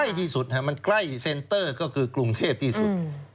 ที่สุดมันใกล้เซ็นเตอร์ก็คือกรุงเทพที่สุด